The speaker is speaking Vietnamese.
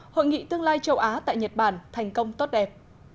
hội nghị tương lai châu á tại nhật bản thành công tốt đẹp